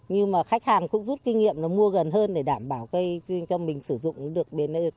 nhưng mà khách hàng cũng rút kinh nghiệm nó mua gần hơn để đảm bảo cây cho mình sử dụng được